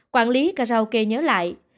quản lý karaoke nhớ lại